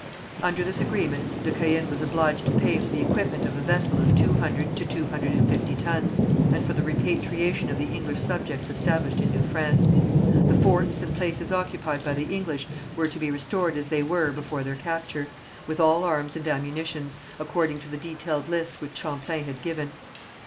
Under this agreement, de Caën was obliged to pay for the equipment of a vessel of two hundred to two hundred and fifty tons, and for the repatriation of the English subjects established in New France. The forts and places occupied by the English were to be restored as they were before their capture, with all arms and ammunition, according to the detailed list which Champlain had given.